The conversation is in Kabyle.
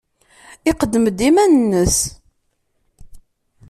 Iqeddem-d iman-nnes.